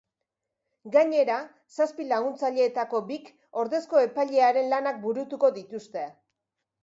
Gainera, zazpi laguntzaileetako bik ordezko epailearen lanak burutuko dituzte.